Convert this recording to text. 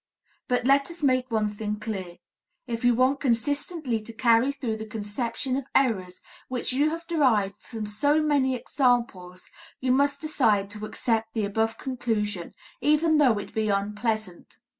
But let us make one thing clear: if you want consistently to carry through the conception of errors which you have derived from so many examples, you must decide to accept the above conclusion, even though it be unpleasant.